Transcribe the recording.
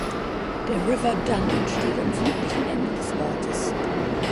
Der River Dun entsteht am südlichen Ende des Ortes.